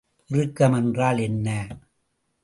இறுக்கம் என்றால் என்ன?